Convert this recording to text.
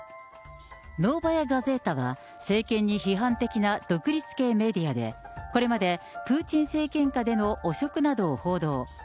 ノーバヤ・ガゼータは、政権に批判的な独立系メディアで、これまでプーチン政権下での汚職などを報道。